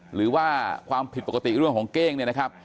หรือว่าความผิดปกติเรื่องของเก้งเนี่ยนะครับ